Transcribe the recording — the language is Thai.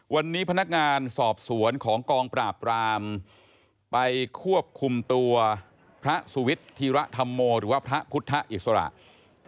วันนี้พนักงานสอบสวนของกองปราบรามไปควบคุมตัวพระสุวิทย์ธีระธรรโมหรือว่าพระพุทธอิสระ